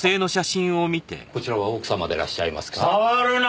あっこちらは奥様でいらっしゃいますか？